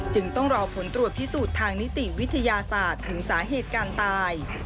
จึงต้องรอผลตรวจพิสูจน์ทางนิติวิทยาศาสตร์ถึงสาเหตุการตาย